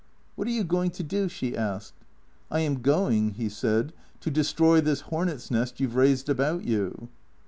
" What are you going to do ?" she asked. " I am going," he said, " to destroy this hornets' nest you 've raised about you."